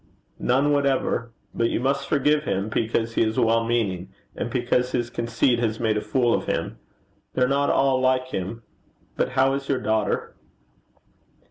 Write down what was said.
'None whatever. But you must forgive him, because he is well meaning, and because his conceit has made a fool of him. They're not all like him. But how is your daughter?'